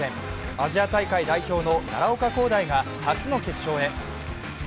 アジア大会代表の奈良岡功大が初の決勝へ。